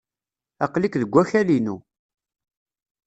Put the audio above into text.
Aql-ik deg wakal-inu.